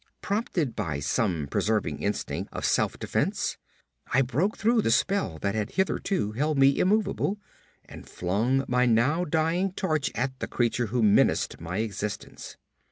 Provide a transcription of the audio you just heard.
Prompted by some preserving instinct of self defense, I broke through the spell that had hitherto held me immovable, and flung my now dying torch at the creature who menaced my existence.